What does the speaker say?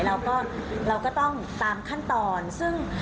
เราก็ต้องตามขั้นทาง